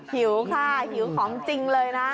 หิวค่ะหิวของจริงเลยนะ